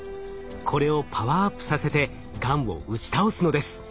これをパワーアップさせてがんを打ち倒すのです。